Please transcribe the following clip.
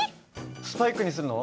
スパイクにするの？